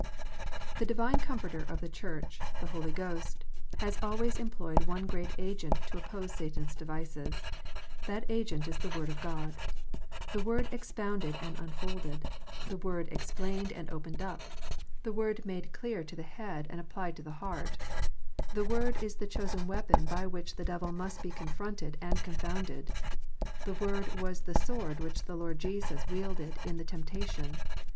The Divine Comforter of the Church, the Holy Ghost, has always employed one great agent to oppose Satan s devices. That agent is the Word of God. The Word expounded and unfolded, the Word explained and opened up, the Word made 347 348 KNOTS UNTIED. clear to the head and applied to the heart, the Word is the chosen weapon by which the devil must be confronted and con founded. The Word was the sword which the Lord Jesus wielded in the temptation.